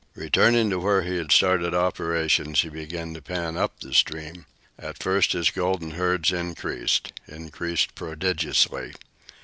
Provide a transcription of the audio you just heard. Returning to where he had started operations, he began to pan up the stream. At first his golden herds increased increased prodigiously.